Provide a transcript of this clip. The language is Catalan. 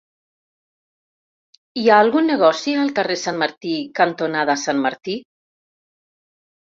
Hi ha algun negoci al carrer Sant Martí cantonada Sant Martí?